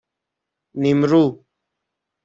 نیمرو